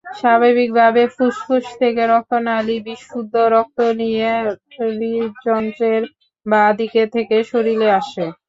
স্বাভাবিকভাবে ফুসফুস থেকে রক্তনালি বিশুদ্ধ রক্ত নিয়ে হৃদ্যন্ত্রের বাঁ দিক থেকে শরীরে আসে।